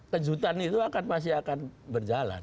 kejutan itu akan masih akan berjalan